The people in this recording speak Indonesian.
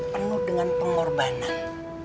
penuh dengan pengorbanan